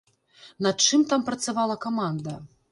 Над чым там працавала каманда?